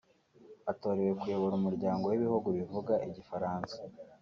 atorewe kuyobora Umuryango w’Ibihugu bivuga Igifaransa